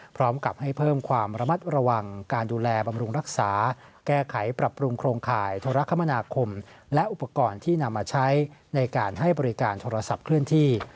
พร้อมกับให้เพิ่มความระมัดระวังการดูแลบำรุงรักษาแก้ไขปรับปรุงโครงข่ายโทรคมนาคมและอุปกรณ์ที่นำมาใช้ในการให้บริการโทรศัพท์เคลื่อนที่